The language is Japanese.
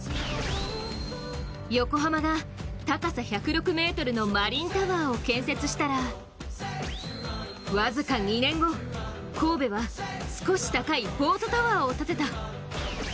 横浜が高さ１０６ｍのマリンタワーを建設したら、僅か２年後、神戸は少し高いポートタワーを建てた。